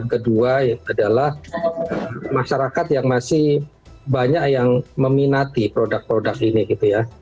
kedua adalah masyarakat yang masih banyak yang meminati produk produk ini gitu ya